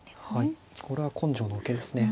これは根性の受けですね。